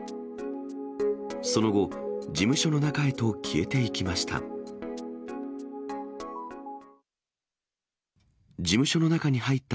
その後、事務所の中へと消えていきました。